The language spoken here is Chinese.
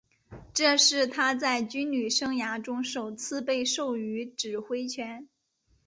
这是他在军旅生涯中首次被授予指挥权。